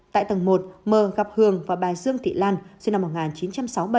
tại tầng một m gặp hường và bà dương thị lan sinh năm một nghìn chín trăm sáu mươi bảy